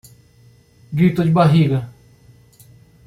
Grito de barriga